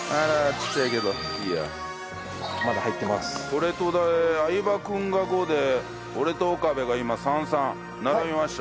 俺と相葉君が５で俺と岡部が今３３。並びました。